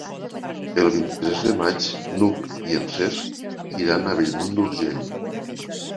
El vint-i-tres de maig n'Hug i en Cesc iran a Bellmunt d'Urgell.